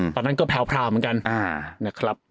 ตอนนั้นก็แพลวเหมือนกัน